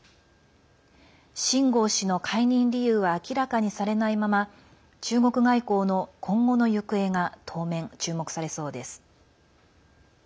秦剛氏の解任理由は明らかにされないまま中国外交の今後の行方が当面、注目されそうです。